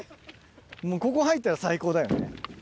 ここ入ったら最高だよね。